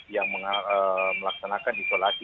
yang melaksanakan isolasi